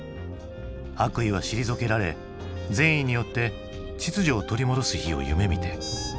悪意は退けられ善意によって秩序を取り戻す日を夢みて。